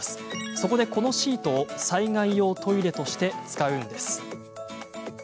そこで、このシートを災害用トイレとして使うんです。